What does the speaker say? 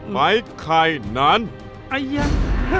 ไม้ไข่น้าน